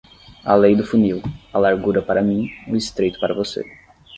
A lei do funil: a largura para mim, o estreito para você.